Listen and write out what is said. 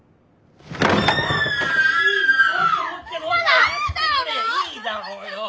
いいだろう？